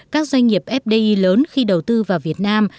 các doanh nghiệp fdi lớn khi đầu tư vào việt nam